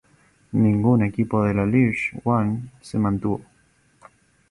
Ningún equipo de la League One se mantuvo.